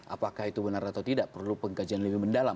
apakah itu benar atau tidak perlu pengkajian lebih mendalam